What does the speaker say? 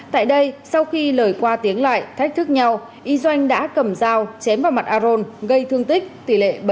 tại đây sau khi lời qua tiếng lại thách thức nhau y doanh đã cầm dao chém vào mặt aron gây thương tích tỷ lệ ba mươi